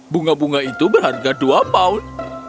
bunga bunga itu berharga dua pound